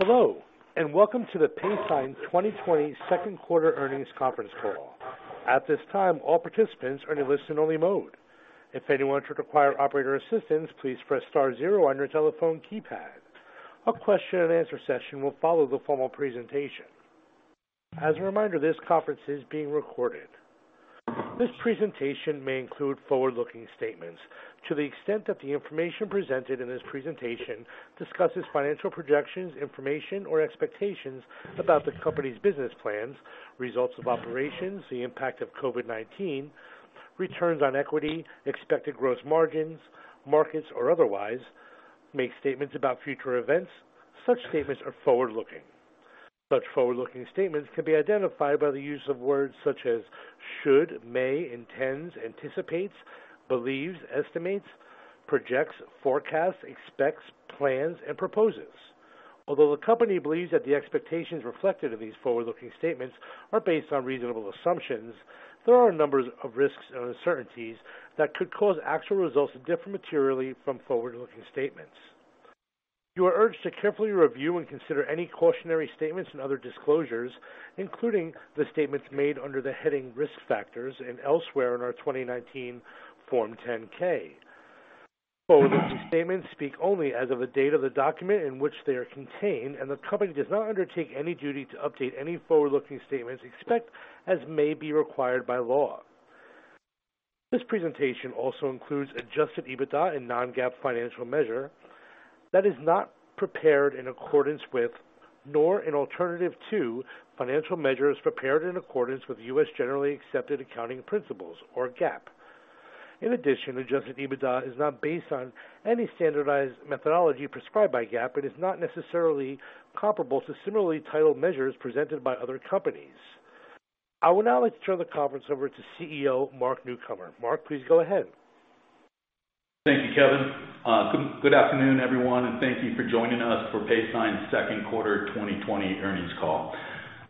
Hello, welcome to the Paysign 2020 second quarter earnings conference call. At this time, all participants are in listen only mode. If anyone should require operator assistance, please press star zero on your telephone keypad. A question and answer session will follow the formal presentation. As a reminder, this conference is being recorded. This presentation may include forward-looking statements. To the extent that the information presented in this presentation discusses financial projections, information, or expectations about the company's business plans, results of operations, the impact of COVID-19, returns on equity, expected gross margins, markets or otherwise, make statements about future events, such statements are forward-looking. Such forward-looking statements can be identified by the use of words such as should, may, intends, anticipates, believes, estimates, projects, forecasts, expects, plans and proposes. Although the company believes that the expectations reflected in these forward-looking statements are based on reasonable assumptions, there are a number of risks and uncertainties that could cause actual results to differ materially from forward-looking statements. You are urged to carefully review and consider any cautionary statements and other disclosures, including the statements made under the heading Risk Factors and elsewhere in our 2019 Form 10-K. Forward-looking statements speak only as of the date of the document in which they are contained, and the company does not undertake any duty to update any forward-looking statements, except as may be required by law. This presentation also includes adjusted EBITDA and non-GAAP financial measure that is not prepared in accordance with, nor an alternative to, financial measures prepared in accordance with U.S. generally accepted accounting principles, or GAAP. In addition, adjusted EBITDA is not based on any standardized methodology prescribed by GAAP and is not necessarily comparable to similarly titled measures presented by other companies. I would now like to turn the conference over to CEO, Mark Newcomer. Mark, please go ahead. Thank you, Kevin. Good afternoon, everyone, and thank you for joining us for Paysign's second quarter 2020 earnings call.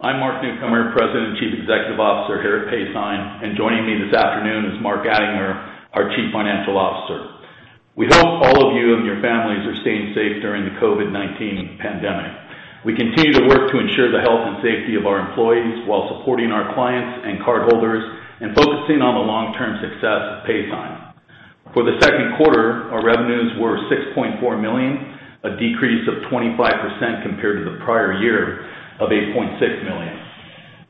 I'm Mark Newcomer, President and Chief Executive Officer here at Paysign, and joining me this afternoon is Mark Attinger, our Chief Financial Officer. We hope all of you and your families are staying safe during the COVID-19 pandemic. We continue to work to ensure the health and safety of our employees while supporting our clients and cardholders and focusing on the long-term success of Paysign. For the second quarter, our revenues were $6.4 million, a decrease of 25% compared to the prior year of $8.6 million.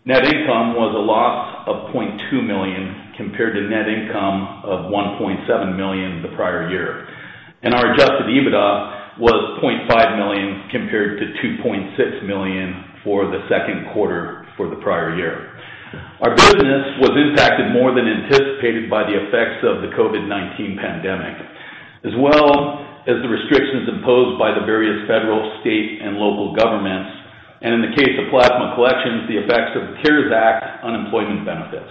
Net income was a loss of $0.2 million compared to net income of $1.7 million the prior year. Our adjusted EBITDA was $0.5 million compared to $2.6 million for the second quarter for the prior year. Our business was impacted more than anticipated by the effects of the COVID-19 pandemic, as well as the restrictions imposed by the various federal, state, and local governments, and in the case of plasma collections, the effects of the CARES Act unemployment benefits.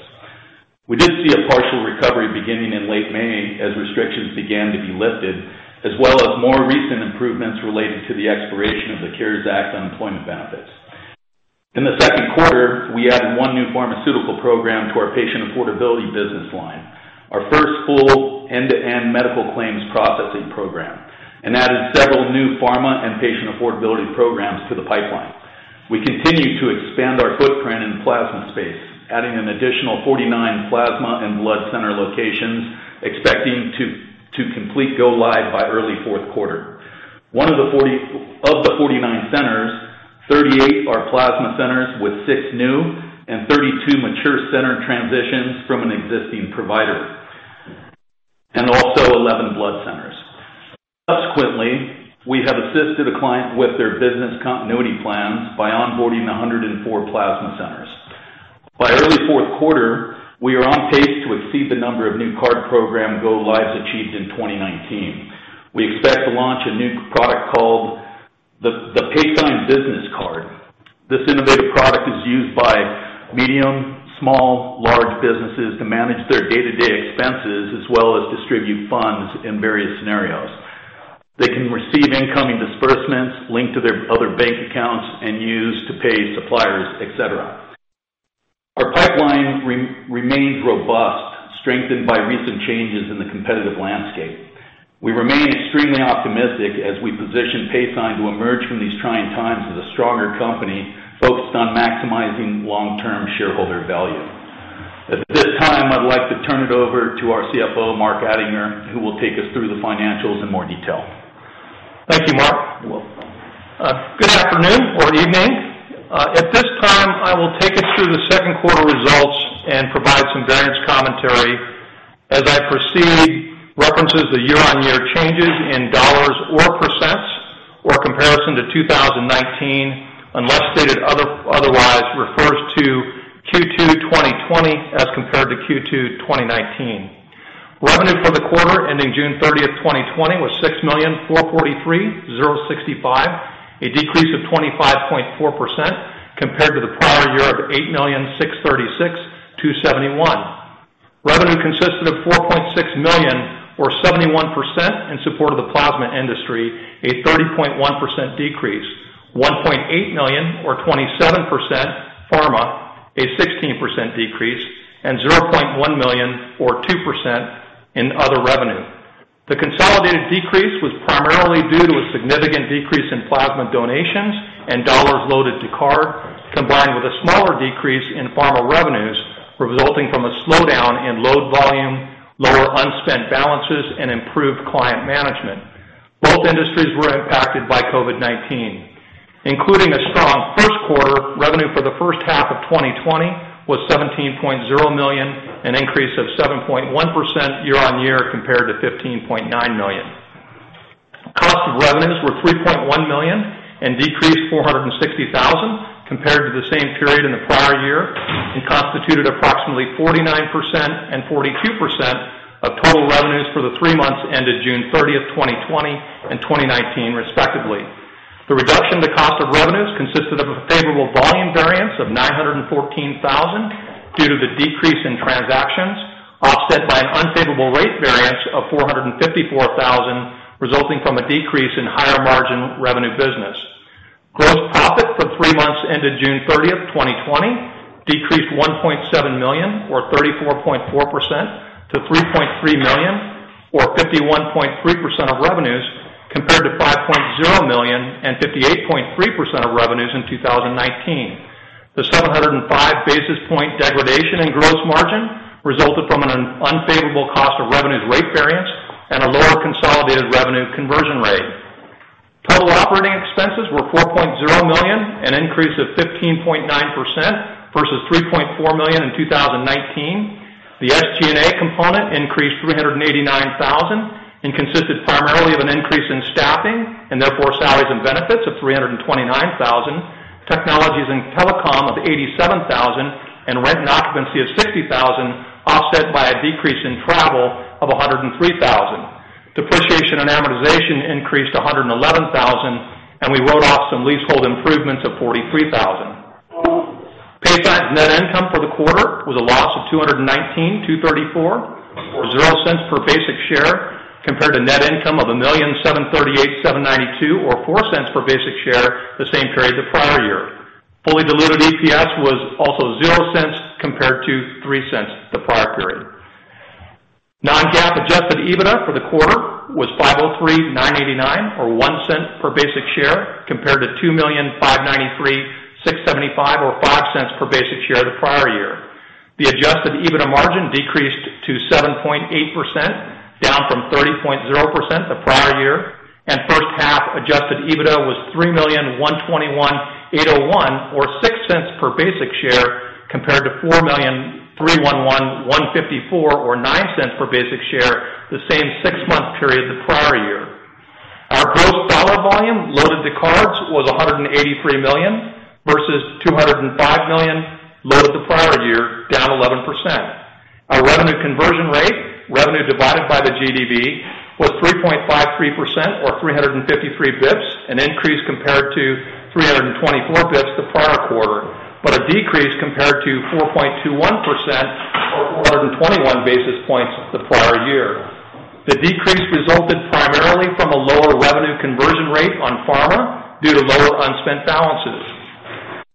We did see a partial recovery beginning in late May as restrictions began to be lifted, as well as more recent improvements related to the expiration of the CARES Act unemployment benefits. In the second quarter, we added one new pharmaceutical program to our Patient Affordability Business Line, our first full end-to-end medical claims processing program, and added several new pharma and patient affordability programs to the pipeline. We continue to expand our footprint in the plasma space, adding an additional 49 plasma and blood center locations, expecting to complete go live by early fourth quarter. Of the 49 centers, 38 are plasma centers with six new and 32 mature center transitions from an existing provider, and also 11 blood centers. Subsequently, we have assisted a client with their business continuity plans by onboarding 104 plasma centers. By early fourth quarter, we are on pace to exceed the number of new card program go lives achieved in 2019. We expect to launch a new product called the Paysign Business Card. This innovative product is used by medium, small, large businesses to manage their day-to-day expenses, as well as distribute funds in various scenarios. They can receive incoming disbursements linked to their other bank accounts and use to pay suppliers, et cetera. Our pipeline remains robust, strengthened by recent changes in the competitive landscape. We remain extremely optimistic as we position Paysign to emerge from these trying times as a stronger company focused on maximizing long-term shareholder value. At this time, I'd like to turn it over to our CFO, Mark Attinger, who will take us through the financials in more detail. Thank you, Mark. Good afternoon or evening. At this time, I will take us through the second quarter results and provide some variance commentary. As I proceed, references to year-over-year changes in dollars or percents or comparison to 2019, unless stated otherwise, refers to Q2 2020 as compared to Q2 2019. Revenue for the quarter ending June 30th, 2020, was $6,443,065, a decrease of 25.4% compared to the prior year of $8,636,271. Revenue consisted of $4.6 million or 71% in support of the plasma industry, a 30.1% decrease. $1.8 million or 27% a 16% decrease and $0.1 million or 2% in other revenue. The consolidated decrease was primarily due to a significant decrease in plasma donations and dollars loaded to card, combined with a smaller decrease in pharma revenues, resulting from a slowdown in load volume, lower unspent balances, and improved client management. Both industries were impacted by COVID-19. Including a strong first quarter, revenue for the first half of 2020 was $17.0 million, an increase of 7.1% year-on-year compared to $15.9 million. Cost of revenues were $3.1 million and decreased $460,000 compared to the same period in the prior year and constituted approximately 49% and 42% of total revenues for the three months ended June 30th, 2020 and 2019 respectively. The reduction to cost of revenues consisted of a favorable volume variance of $914,000 due to the decrease in transactions, offset by an unfavorable rate variance of $454,000 resulting from a decrease in higher margin revenue business. Gross profit for three months ended June 30th, 2020, decreased $1.7 million or 34.4% to $3.3 million or 51.3% of revenues compared to $5.0 million and 58.3% of revenues in 2019. The 705 basis point degradation in gross margin resulted from an unfavorable cost of revenues rate variance and a lower consolidated revenue conversion rate. Total operating expenses were $4.0 million, an increase of 15.9% versus $3.4 million in 2019. The SG&A component increased $389,000 and consisted primarily of an increase in staffing and therefore salaries and benefits of $329,000, technologies and telecom of $87,000 and rent and occupancy of $60,000, offset by a decrease in travel of $103,000. Depreciation and amortization increased $111,000, and we wrote off some leasehold improvements of $43,000. Paysign net income for the quarter was a loss of $219,234 or $0.00 per basic share, compared to net income of $1,738,792 or $0.04 per basic share the same period the prior year. Fully diluted EPS was also $0.00 compared to $0.03 the prior period. non-GAAP adjusted EBITDA for the quarter was $503,989 or $0.01 per basic share compared to $2,593,675 or $0.05 per basic share the prior year. The adjusted EBITDA margin decreased to 7.8%, down from 30.0% the prior year, and first half adjusted EBITDA was $3,121,801 or $0.06 per basic share compared to $4,311,154 or $0.09 per basic share the same six-month period the prior year. Our gross dollar volume loaded to cards was $183 million versus $205 million loaded the prior year, down 11%. Our revenue conversion rate, revenue divided by the GDV, was 3.53% or 353 bps, an increase compared to 324 bps the prior quarter, but a decrease compared to 4.21% or 421 basis points the prior year. The decrease resulted primarily from a lower revenue conversion rate on pharma due to lower unspent balances.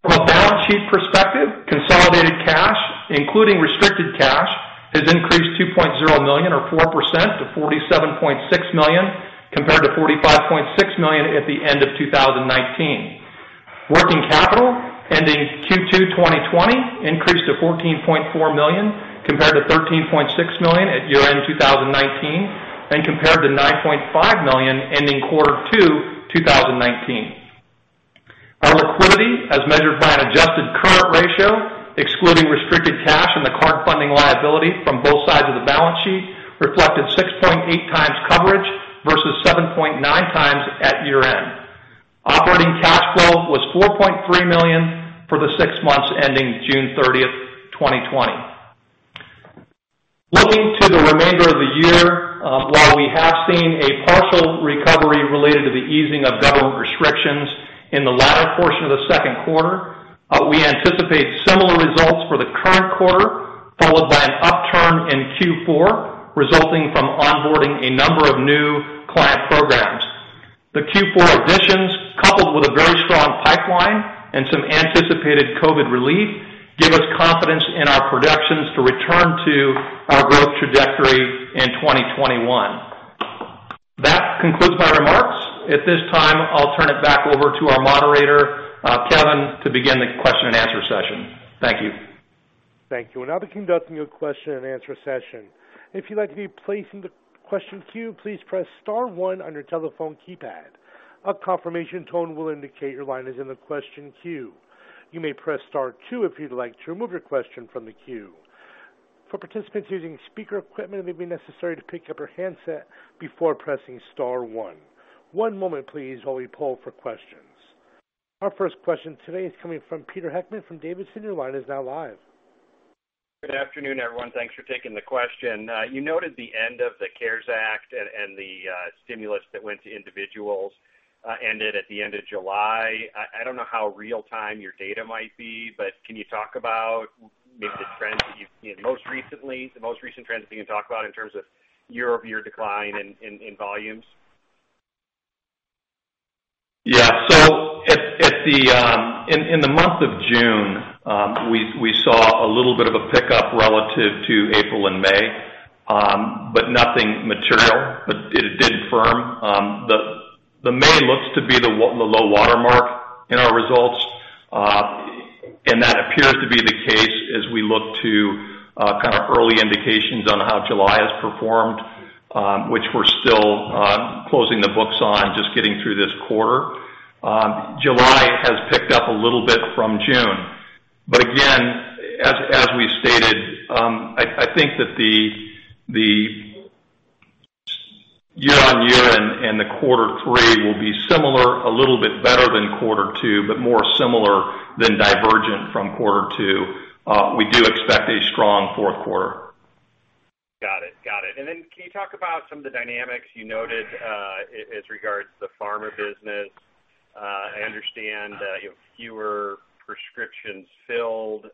From a balance sheet perspective, consolidated cash, including restricted cash, has increased $2.0 million or 4% to $47.6 million compared to $45.6 million at the end of 2019. Working capital ending Q2 2020 increased to $14.4 million compared to $13.6 million at year-end 2019 and compared to $9.5 million ending Quarter 2 2019. Our liquidity, as measured by an adjusted current ratio, excluding restricted cash and the card funding liability from both sides of the balance sheet, reflected 6.8 times coverage versus 7.9 times at year-end. Operating cash flow was $4.3 million for the six months ending June 30th, 2020. Looking to the remainder of the year, while we have seen a partial recovery related to the easing of government restrictions in the latter portion of the second quarter, we anticipate similar results for the current quarter, followed by an upturn in Q4, resulting from onboarding a number of new client programs. The Q4 additions, coupled with a very strong pipeline and some anticipated COVID relief, give us confidence in our projections to return to our growth trajectory in 2021. That concludes my remarks. At this time, I'll turn it back over to our moderator, Kevin, to begin the question and answer session. Thank you. Thank you. We'll now be conducting a question and answer session. If you'd like to be placed into question queue, please press star one on your telephone keypad. A confirmation tone will indicate your line is in the question queue. You may press star two if you'd like to remove your question from the queue. For participants using speaker equipment, it may be necessary to pick up your handset before pressing star one. One moment please, while we poll for questions. Our first question today is coming from Peter Heckmann from D.A. Davidson. Your line is now live. Good afternoon, everyone. Thanks for taking the question. You noted the end of the CARES Act and the stimulus that went to individuals ended at the end of July. I don't know how real time your data might be, can you talk about maybe the trends that you've seen most recently, the most recent trends that you can talk about in terms of year-over-year decline in volumes? Yeah. In the month of June, we saw a little bit of a pickup relative to April and May, but nothing material. It did firm. May looks to be the low water mark in our results. That appears to be the case as we look to early indications on how July has performed, which we're still closing the books on, just getting through this quarter. July has picked up a little bit from June. Again, as we've stated, I think that the year-on-year and the quarter three will be similar, a little bit better than quarter two, but more similar than divergent from quarter two. We do expect a strong fourth quarter. Got it. Can you talk about some of the dynamics you noted as regards the pharma business? I understand that you have fewer prescriptions filled,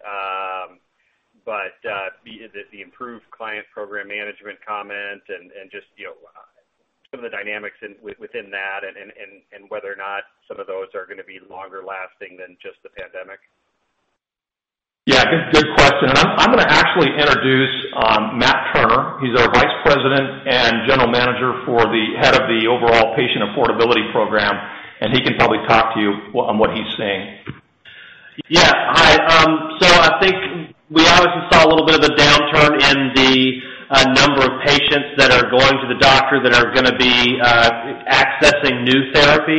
but the improved client program management comment and just some of the dynamics within that, and whether or not some of those are going to be longer lasting than just the pandemic. Yeah. Good question. I'm going to actually introduce Matt Turner. He's our vice president and general manager for the head of the overall patient affordability program, and he can probably talk to you on what he's seeing. Yeah. Hi, I think we obviously saw a little bit of a downturn in the number of patients that are going to the doctor that are going to be accessing new therapy.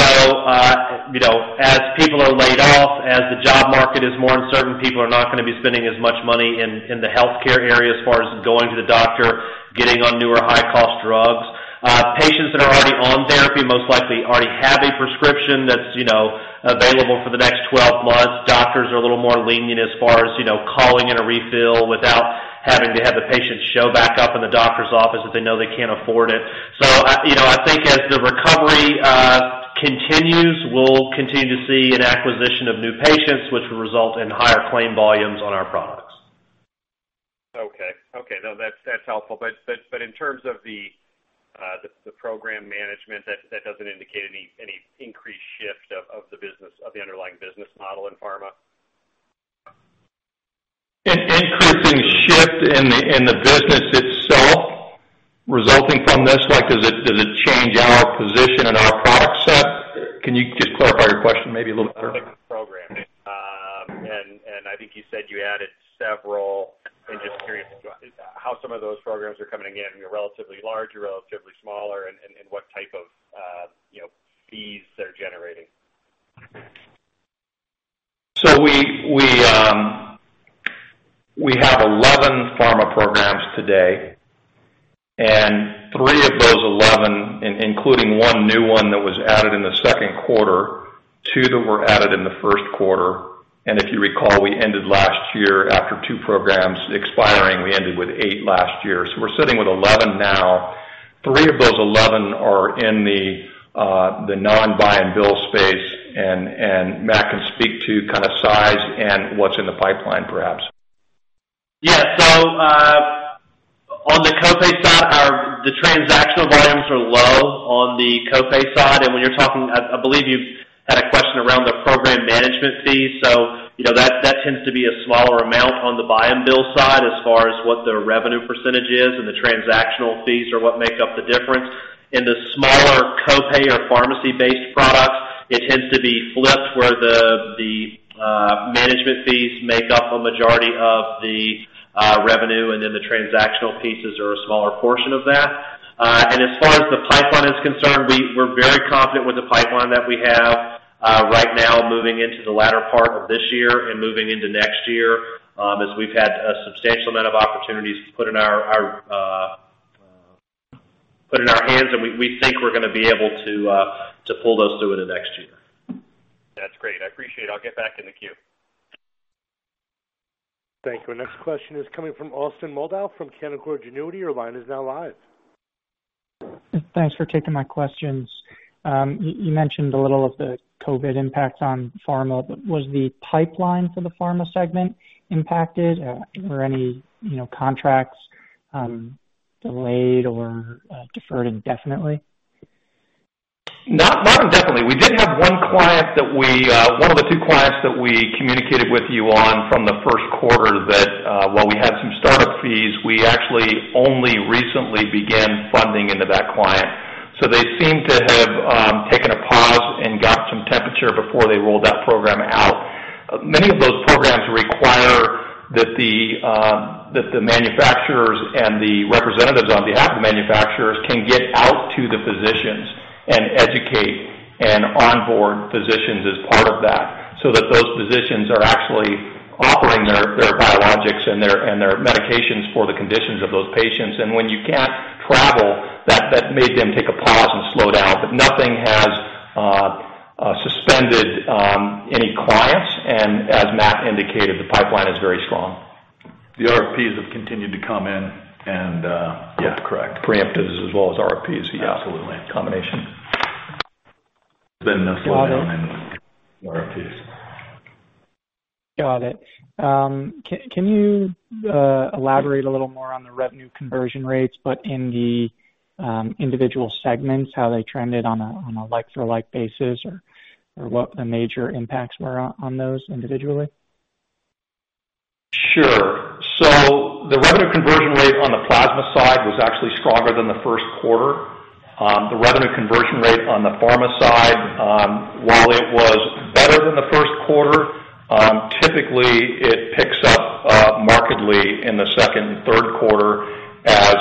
As people are laid off, as the job market is more uncertain, people are not going to be spending as much money in the healthcare area as far as going to the doctor, getting on newer high-cost drugs. Patients that are already on therapy most likely already have a prescription that's available for the next 12 months. Doctors are a little more lenient as far as calling in a refill without having to have the patient show back up in the doctor's office if they know they can't afford it. I think as the recovery continues, we'll continue to see an acquisition of new patients, which will result in higher claim volumes on our products. Okay. No, that's helpful. In terms of the program management, that doesn't indicate any increased shift of the underlying business model in pharma? An increasing shift in the business itself resulting from this, like does it change our position and our product set? Can you just clarify your question maybe a little further? Program. I think you said you added several. I'm just curious how some of those programs are coming in. Are they relatively large, are they relatively smaller, and what type of fees they're generating? We have 11 pharma programs today, and three of those 11, including one new one that was added in the second quarter, two that were added in the first quarter, and if you recall, we ended last year after two programs expiring, we ended with eight last year. We're sitting with 11 now. Three of those 11 are in the non-buy-and-bill space, and Matt can speak to size and what's in the pipeline, perhaps. Yeah. On the co-pay side, the transactional volumes are low on the co-pay side. When you're talking, I believe you had a question around the program management fee. That tends to be a smaller amount on the buy-and-bill side as far as what the revenue percentage is, and the transactional fees are what make up the difference. In the smaller co-pay or pharmacy-based products, it tends to be flipped where the management fees make up a majority of the revenue, and then the transactional pieces are a smaller portion of that. As far as the pipeline is concerned, we're very confident with the pipeline that we have right now moving into the latter part of this year and moving into next year, as we've had a substantial amount of opportunities put in our hands, and we think we're going to be able to pull those through into next year. That's great. I appreciate it. I'll get back in the queue. Thank you. Our next question is coming from Austin Moldow from Canaccord Genuity, your line is now live. Thanks for taking my questions. You mentioned a little of the COVID impact on pharma, but was the pipeline for the pharma segment impacted? Were any contracts delayed or deferred indefinitely? Not indefinitely. We did have one of the two clients that we communicated with you on from the first quarter that, while we had some startup fees, we actually only recently began funding into that client. They seem to have taken a pause and got some temperature before they rolled that program out. Many of those programs require that the manufacturers and the representatives on behalf of the manufacturers can get out to the physicians and educate and onboard physicians as part of that, so that those physicians are actually offering their biologics and their medications for the conditions of those patients. When you can't travel, that made them take a pause and slow down. Nothing has suspended any clients, and as Matt indicated, the pipeline is very strong. The RFPs have continued to come in. Yeah. Correct. preemptives as well as RFPs. Yeah. Absolutely. Combination. Been in this long and RFPs. Got it. Can you elaborate a little more on the revenue conversion rates, but in the individual segments, how they trended on a like-for-like basis or what the major impacts were on those individually? Sure. The revenue conversion rate on the plasma side was actually stronger than the first quarter. The revenue conversion rate on the pharma side, while it was better than the first quarter, typically it picks up markedly in the second and third quarter as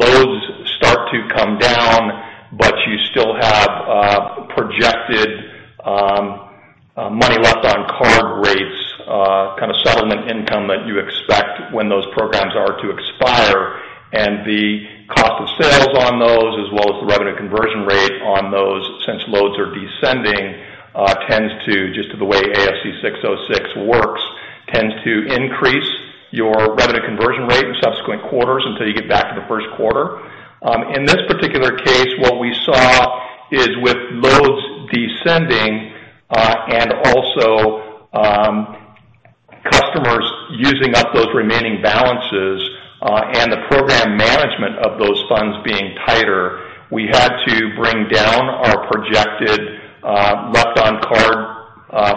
loads start to come down, but you still have projected money left on card rates, kind of settlement income that you expect when those programs are to expire. The cost of sales on those, as well as the revenue conversion rate on those, since loads are descending, just to the way ASC 606 works, tends to increase your revenue conversion rate in subsequent quarters until you get back to the first quarter. In this particular case, what we saw is with loads descending and also customers using up those remaining balances and the program management of those funds being tighter, we had to bring down our projected left on card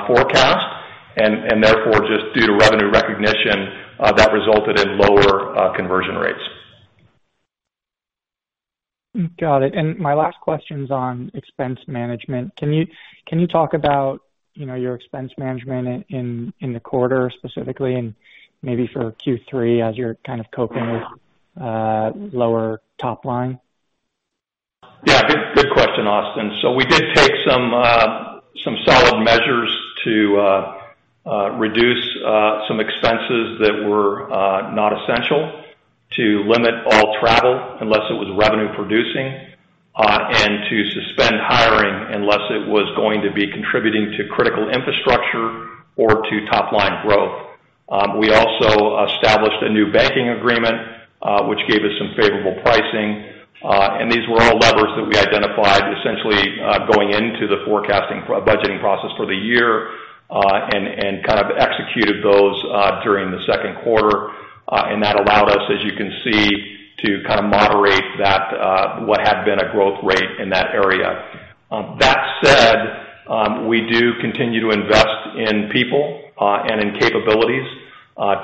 forecast and therefore, just due to revenue recognition, that resulted in lower conversion rates. Got it. My last question's on expense management. Can you talk about your expense management in the quarter specifically and maybe for Q3 as you're kind of coping with lower top line? Yeah. Good question, Austin. We did take some solid measures to reduce some expenses that were not essential, to limit all travel unless it was revenue producing, and to suspend hiring unless it was going to be contributing to critical infrastructure or to top-line growth. We also established a new banking agreement, which gave us some favorable pricing. These were all levers that we identified essentially, going into the forecasting budgeting process for the year, and kind of executed those during the second quarter. That allowed us, as you can see, to kind of moderate what had been a growth rate in that area. That said, we do continue to invest in people and in capabilities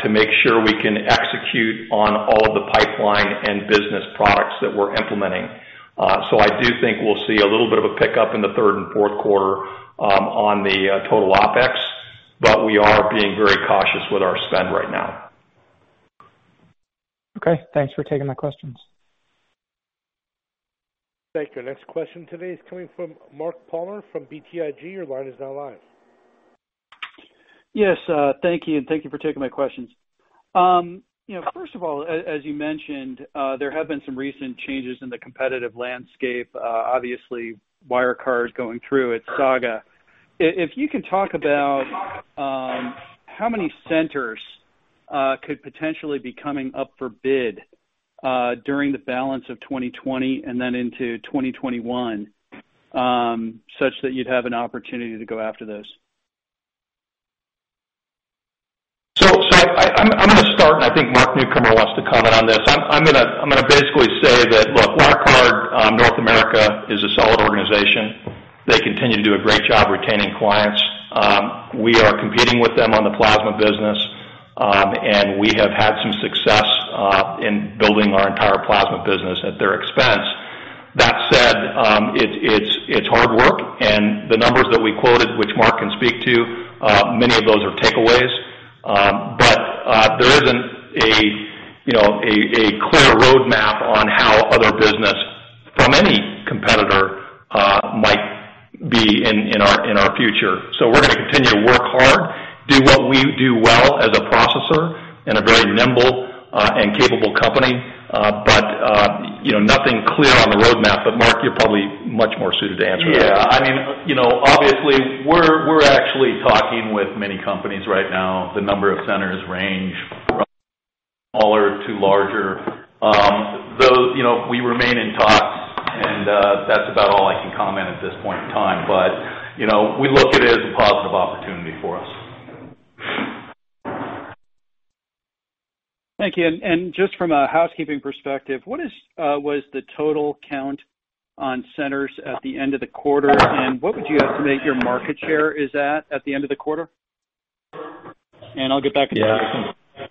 to make sure we can execute on all of the pipeline and business products that we're implementing. I do think we'll see a little bit of a pickup in the third and fourth quarter on the total OPEX, but we are being very cautious with our spend right now. Okay. Thanks for taking my questions. Thank you. Next question today is coming from Mark Palmer from BTIG. Your line is now live. Yes, thank you, and thank you for taking my questions. First of all, as you mentioned, there have been some recent changes in the competitive landscape. Obviously, Wirecard is going through its saga. If you could talk about how many centers could potentially be coming up for bid during the balance of 2020 and then into 2021, such that you'd have an opportunity to go after those. I'm going to start, and I think Mark Newcomer wants to comment on this. I'm going to basically say that, look, Wirecard North America is a solid organization. They continue to do a great job retaining clients. We are competing with them on the plasma business, and we have had some success in building our entire plasma business at their expense. That said, it's hard work and the numbers that we quoted, which Mark can speak to, many of those are takeaways. There isn't a clear roadmap on how other business from any competitor might be in our future. We're going to continue to work hard, do what we do well as a processor and a very nimble and capable company. Nothing clear on the roadmap, but Mark, you're probably much more suited to answer that. Obviously, we're actually talking with many companies right now. The number of centers range from smaller to larger. We remain in talks, and that's about all I can comment at this point in time. We look at it as a positive opportunity for us. Thank you. Just from a housekeeping perspective, what was the total count on centers at the end of the quarter? What would you estimate your market share is at the end of the quarter? I'll get back in queue.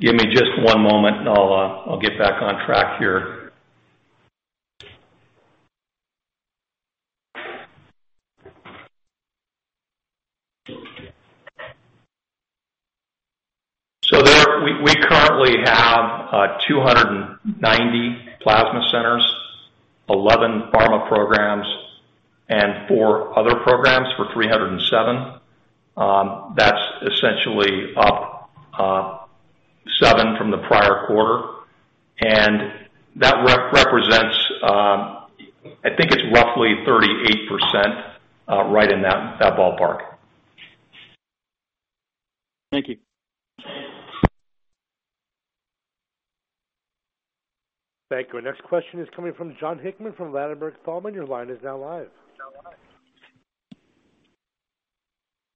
Give me just one moment I'll get back on track here. We currently have 290 plasma centers, 11 pharma programs and four other programs for 307. That's essentially up seven from the prior quarter. That represents, I think it's roughly 38%, right in that ballpark. Thank you. Thank you. Our next question is coming from Jon Hickman from Ladenburg Thalmann, and your line is now live.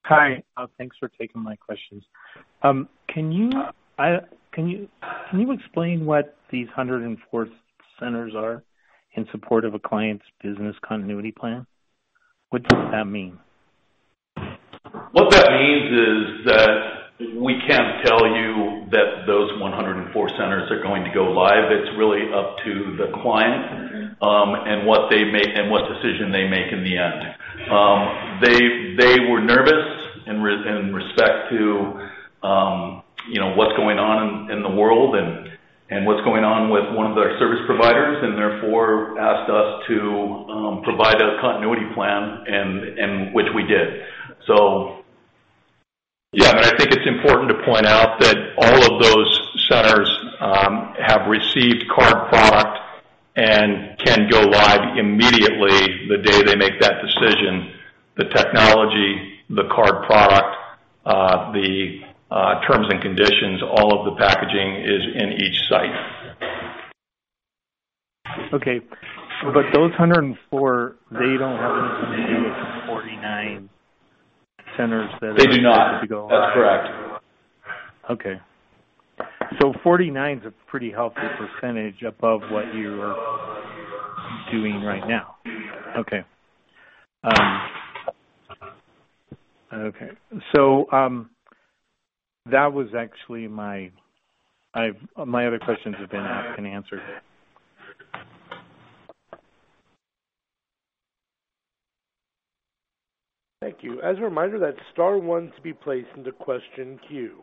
Hi. Thanks for taking my questions. Can you explain what these 104 centers are in support of a client's business continuity plan? What does that mean? What that means is that we can't tell you that those 104 centers are going to go live. It's really up to the client and what decision they make in the end. They were nervous in respect to what's going on in the world and what's going on with one of their service providers, and therefore asked us to provide a continuity plan, which we did. I think it's important to point out that all of those centers have received card product and can go live immediately the day they make that decision. The technology, the card product, the terms and conditions, all of the packaging is in each site. Okay. Those 104, they don't have anything to do with the 49 that are. They do not. going to go live. That's correct. Okay. 49 is a pretty healthy percentage above what you are doing right now. Okay. That was actually My other questions have been asked and answered. Thank you. As a reminder, that's star one to be placed into question queue.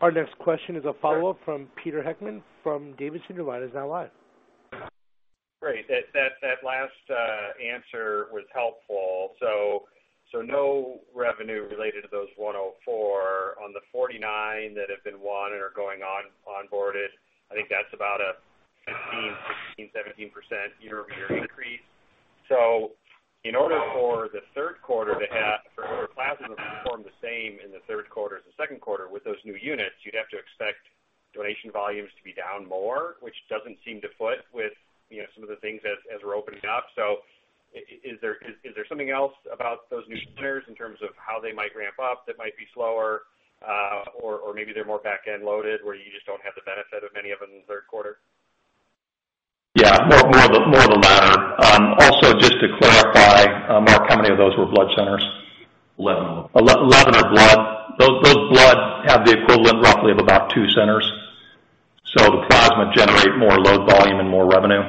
Our next question is a follow-up from Peter Heckmann from Davidson. Your line is now live. Great. That last answer was helpful. No revenue related to those 104. On the 49 that have been won and are going onboarded, I think that's about a 15%, 16%, 17% year-over-year increase. In order for plasma to perform the same in the third quarter as the second quarter with those new units, you'd have to expect donation volumes to be down more, which doesn't seem to fit with some of the things as we're opening up. Is there something else about those new centers in terms of how they might ramp up that might be slower, or maybe they're more back-end loaded, where you just don't have the benefit of any of them in the third quarter? Yeah, more of the latter. Just to clarify, Mark, how many of those were blood centers? 11 were blood. 11 are blood. Those blood have the equivalent roughly of about two centers. The plasma generate more load volume and more revenue.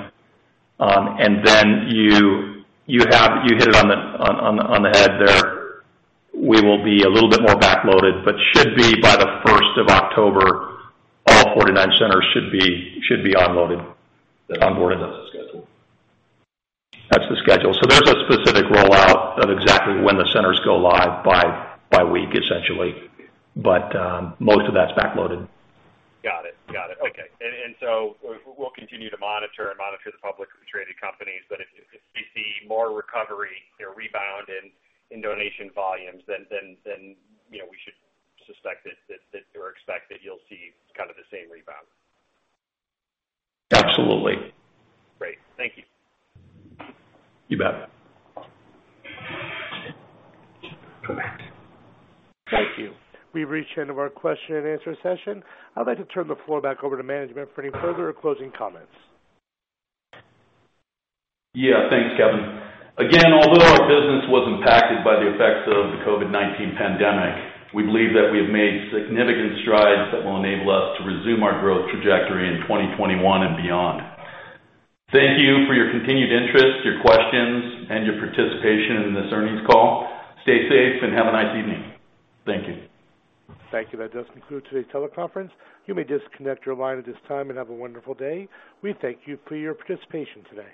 You hit it on the head there. We will be a little bit more back-loaded, should be by the 1st of October, all 49 centers should be onboarded. That's the schedule. That's the schedule. There's a specific rollout of exactly when the centers go live by week, essentially. Most of that's back-loaded. Got it. Okay. We'll continue to monitor the publicly traded companies, but if we see more recovery or rebound in donation volumes, then we should suspect it or expect that you'll see the same rebound. Absolutely. Great. Thank you. You bet. Thank you. We've reached the end of our question and answer session. I'd like to turn the floor back over to management for any further or closing comments. Yeah. Thanks, Kevin. Again, although our business was impacted by the effects of the COVID-19 pandemic, we believe that we have made significant strides that will enable us to resume our growth trajectory in 2021 and beyond. Thank you for your continued interest, your questions, and your participation in this earnings call. Stay safe and have a nice evening. Thank you. Thank you. That does conclude today's teleconference. You may disconnect your line at this time and have a wonderful day. We thank you for your participation today.